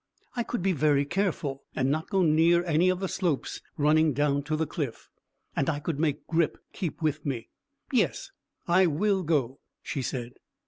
"I could be very careful, and not go near any of the slopes running down to the cliff, and I could make Grip keep with me. Yes, I will go," she said.